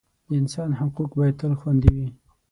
د انسان حقوق باید تل خوندي وي.